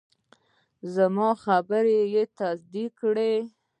زما خبرې یې تصدیق کړې.